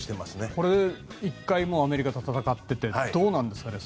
これ、１回アメリカと戦っててどうなんですかね。